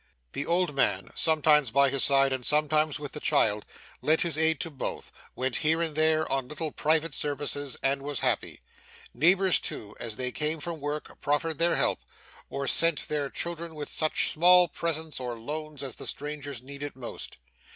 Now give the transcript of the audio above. The old man, sometimes by his side and sometimes with the child, lent his aid to both, went here and there on little patient services, and was happy. Neighbours, too, as they came from work, proffered their help; or sent their children with such small presents or loans as the strangers needed most.